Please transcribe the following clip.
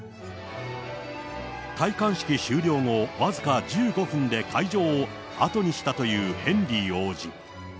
戴冠式終了後、僅か１５分で会場を後にしたというヘンリー王子。